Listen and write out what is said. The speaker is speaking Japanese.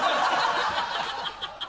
ハハハ